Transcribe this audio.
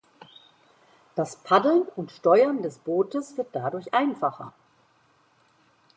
Das Paddeln und Steuern des Bootes wird dadurch einfacher.